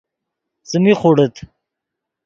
څیمی خوڑیت